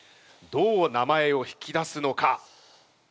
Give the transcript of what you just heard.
どう名前を引き出すのか？